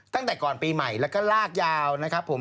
ตั้งแต่ก่อนปีใหม่แล้วก็ลากยาวนะครับผม